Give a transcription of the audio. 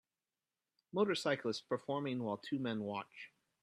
Motorcyclist performing while two men watch